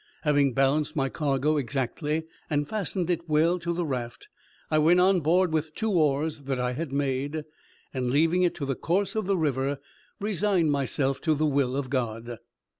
Having balanced my cargo exactly, and fastened it well to the raft, I went on board with two oars that I had made, and leaving it to the course of the river, resigned myself to the will of God.